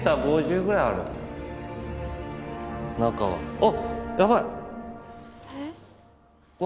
あっ。